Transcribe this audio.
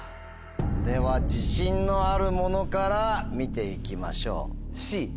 では自信のあるものから見ていきましょう。